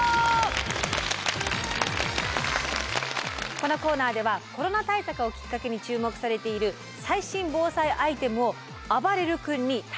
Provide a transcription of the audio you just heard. このコーナーではコロナ対策をきっかけに注目されている最新防災アイテムをあばれる君に体験リポートして頂きます。